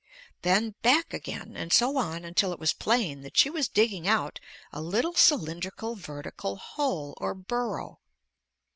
Then back again and so on until it was plain that she was digging out a little cylindrical vertical hole or burrow.